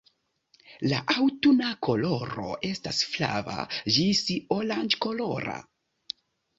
La aŭtuna koloro estas flava ĝis oranĝkolora.